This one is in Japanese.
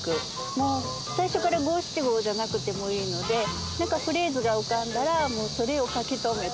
もう最初から５７５じゃなくてもいいのでなんかフレーズが浮かんだらそれを書き留めていく。